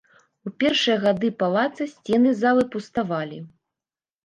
У першыя гады палаца, сцены залы пуставалі.